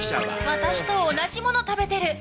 私と同じものを食べてる。